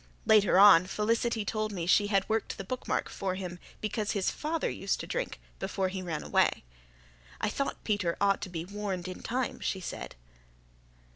Later on Felicity told me she had worked the bookmark for him because his father used to drink before he ran away. "I thought Peter ought to be warned in time," she said.